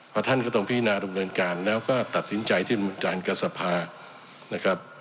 เพราะท่านก็ต้องพิจารณาดูดเมืองการแล้วก็ตัดสินใจที่ด่านกษภานะครับ